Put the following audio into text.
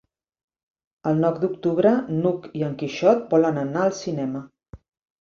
El nou d'octubre n'Hug i en Quixot volen anar al cinema.